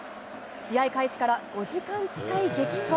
試合開始から５時間近い激闘。